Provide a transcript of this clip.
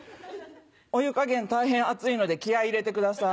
お湯加減大変熱いので気合入れてください。